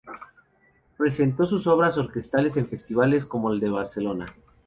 Presentó sus obras orquestales en festivales como el de Barcelona.